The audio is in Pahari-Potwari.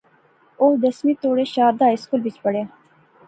او دسویں توڑیں شاردا ہائی سکولے وچ پڑھیا